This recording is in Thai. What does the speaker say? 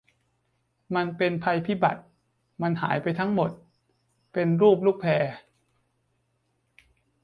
มันเป็นภัยพิบัติ มันหายไปทั้งหมดเป็นรูปลูกแพร์